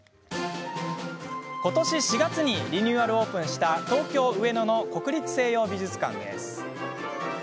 ことし４月にリニューアルオープンした東京・上野の国立西洋美術館です。